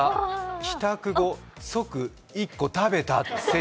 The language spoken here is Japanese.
帰宅後、即、１個食べた。